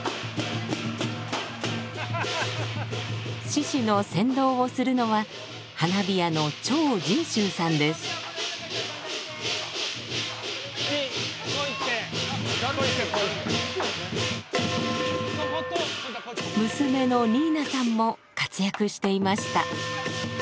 獅子の先導をするのは花火屋の娘の新奈さんも活躍していました。